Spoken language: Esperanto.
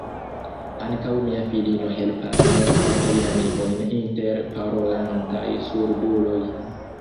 Ankaŭ mia filino helpas multajn geamikojn inter parolantaj surduloj.